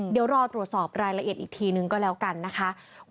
เดี๋ยวรอตรวจสอบรายละเอียดอีกทีนึงก็แล้วกันนะคะ